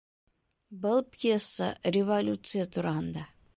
Был пьеса революция тураһында